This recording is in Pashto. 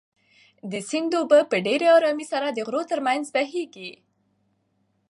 د سیند اوبه په ډېرې ارامۍ سره د غرو تر منځ بهېږي.